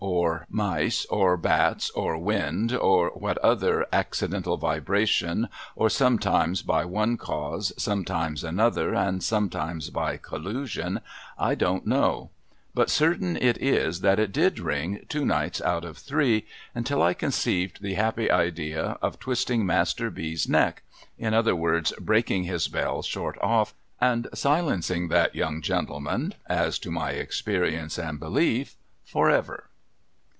SUSPICION AND FEAR 207 mice, or bats, or wind, or what other accidental vibration, or some times by one cause, sometimes another, and sometimes by collusion, I don't know ; but, certain it is, that it did ring two nights out of three, until I conceived the happy idea of twisting Master B.'s neck — in other words, breaking his bell short off — and silencing that young gentleman, as to my experience and beUef, for ever.